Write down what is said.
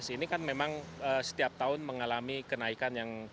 ini kan memang setiap tahun mengalami kenaikan yang